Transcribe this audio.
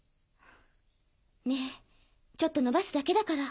ねぇちょっと延ばすだけだから。